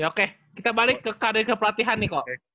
ya oke kita balik ke karya kepelatihan nih kok